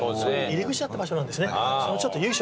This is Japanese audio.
入り口だった場所なんですね。